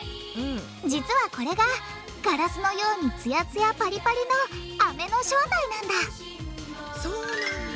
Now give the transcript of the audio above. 実はこれがガラスのようにつやつやパリパリのアメの正体なんだそうなんだ。